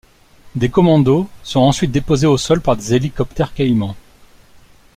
Des commandos sont ensuite déposés au sol par des hélicoptères Caïman.